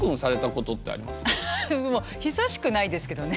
久しくないですけどね。